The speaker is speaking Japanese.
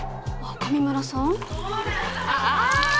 上村さん？